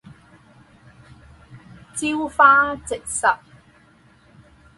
朝花夕拾